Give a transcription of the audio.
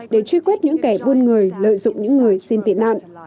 để truy quét những kẻ buôn người lợi dụng những người xin tị nạn